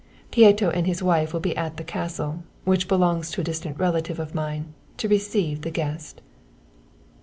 Pieto and his wife will be at the castle, which belongs to a distant relative of mine, to receive the guest."